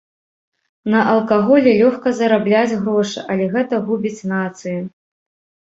На алкаголі лёгка зарабляць грошы, але гэта губіць нацыю.